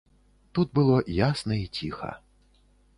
Тут было ясна і ціха.